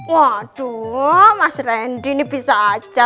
waduh mas randy ini bisa aja